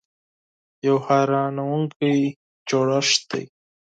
یو حیرانونکی جوړښت دی .